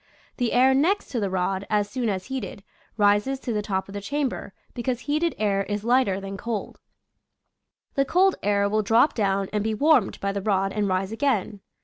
The air next to the rod, as soon as heated, rises to the top of the chamber, because heated air is lighter than cold; the cold air will drop down and be warmed by the rod and rise again.